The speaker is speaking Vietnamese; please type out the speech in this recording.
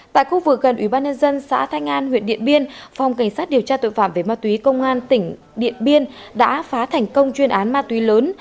tại khu vực gần ủy ban nhân dân xã thanh an huyện điện biên phòng cảnh sát điều tra tội phạm về ma túy công an tỉnh điện biên đã phá thành công chuyên án ma túy lớn